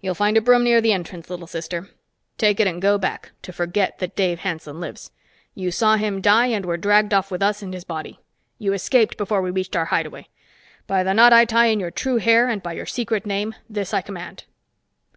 "You'll find a broom near the entrance, little sister. Take it and go back, to forget that Dave Hanson lives. You saw him die and were dragged off with us and his body. You escaped before we reached our hideaway. By the knot I tie in your true hair and by your secret name, this I command."